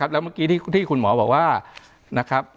แล้วเมื่อกี้ที่คุณหมอบอกว่า